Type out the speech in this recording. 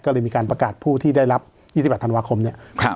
ก็เลยมีการประกาศผู้ที่ได้รับยี่สิบแปดธันวาคมเนี้ยครับ